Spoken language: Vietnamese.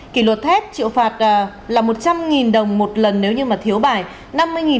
kỷ luật thép triệu phạt là một trăm linh đồng một lần nếu như mà thiếu bài